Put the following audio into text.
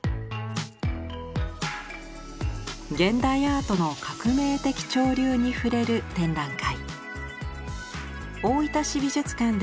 現代アートの革命的潮流に触れる展覧会。